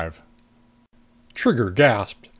25 Trigger gasped.